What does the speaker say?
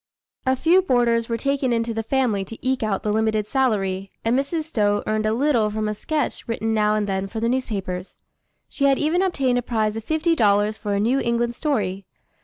A few boarders were taken into the family to eke out the limited salary, and Mrs. Stowe earned a little from a sketch written now and then for the newspapers. She had even obtained a prize of fifty dollars for a New England story.